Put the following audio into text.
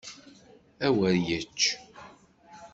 Awer yečč!